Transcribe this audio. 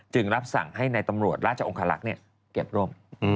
รับสั่งให้ในตำรวจราชองคลักษณ์เก็บร่ม